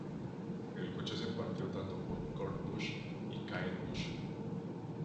El coche se partió tanto por Kurt Busch y Kyle Busch.